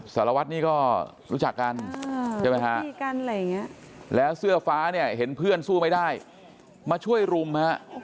สารวัตรนี่ก็รู้จักกันแล้วเสื้อฟ้าเห็นเพื่อนสู้ไม่ได้มาช่วยลุม